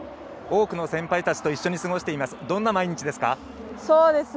多くの先輩たちと一緒に過ごしています、どんな毎日ですか？